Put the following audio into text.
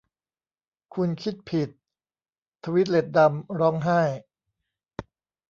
'คุณคิดผิด !' ทวีดเลดดัมร้องไห้